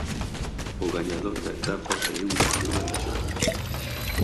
O gañador da etapa saíu da fuga da xornada.